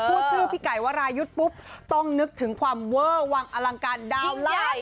พูดชื่อพี่ไก่วรายุทธ์ปุ๊บต้องนึกถึงความเวอร์วังอลังการดาวใหญ่